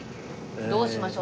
どうしましょう？